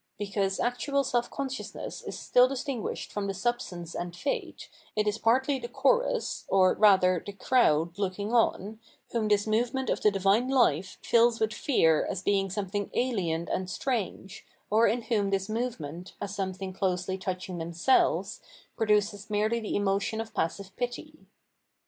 Because actual self consciousness is still distinguished from the substance and Fate, it is partly the chorus, or rather the crowd looking on, whom this movement of the divine life fills with fear as being something ahen and strange, or in whom this movement, as something closely touching themselves, produces merely the emo tion of passive pity.